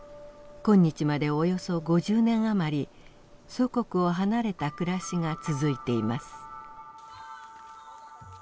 今日までおよそ５０年余り祖国を離れた暮らしが続いています。